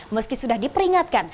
meski sudah diperingatkan